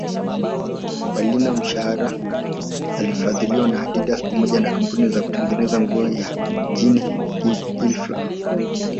Mbalina mshahara anafadhiliwa na Adidas pamoja na kampuni ya kutengeneza nguo ya Ginny Hilfiger